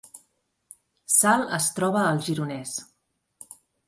Salt es troba al Gironès